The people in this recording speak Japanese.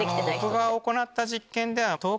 僕が行った実験では。